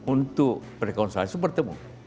untuk rekonsiliasi bertemu